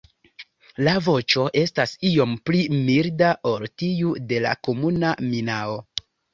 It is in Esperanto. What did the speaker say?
La voĉo estas iom pli milda ol tiu de la Komuna minao.